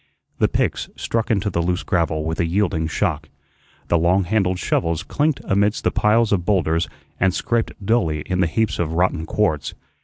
The picks struck into the loose gravel with a yielding shock. The long handled shovels clinked amidst the piles of bowlders and scraped dully in the heaps of rotten quartz.